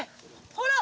ほら！